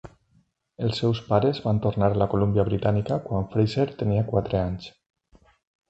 Els seus pares van tornar a la Columbia Britànica quan Fraser tenia quatre anys.